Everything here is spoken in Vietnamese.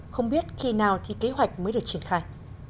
không biết khi nào thì kế hoạch mới được triển khai